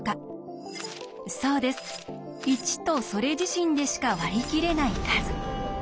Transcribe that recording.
そうです１とそれ自身でしか割り切れない数。